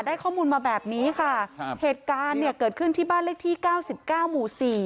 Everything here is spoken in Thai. ได้ข้อมูลมาแบบนี้ค่ะเหตุการณ์เกิดขึ้นที่บ้านเลขที่๙๙หมู่๔